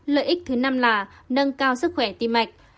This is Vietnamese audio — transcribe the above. lợi ích thứ năm là nâng cao sức khỏe tim mạch